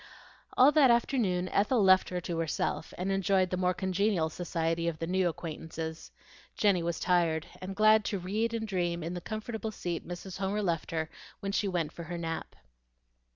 All that afternoon Ethel left her to herself, and enjoyed the more congenial society of the new acquaintances. Jenny was tired, and glad to read and dream in the comfortable seat Mrs. Homer left her when she went for her nap.